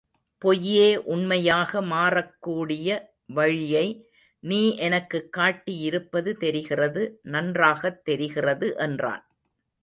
பொய்யே உண்மையாக மாறக்கூடிய வழியை நீ எனக்குக் காட்டி இருப்பது தெரிகிறது நன்றாகத் தெரிகிறது என்றான்.